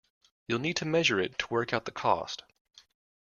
You'll need to measure it to work out the cost.